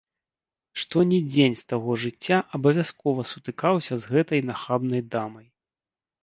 Што ні дзень з таго жыцця, абавязкова сутыкаўся з гэтай нахабнай дамай.